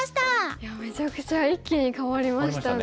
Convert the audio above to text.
いやめちゃくちゃ一気に変わりましたね。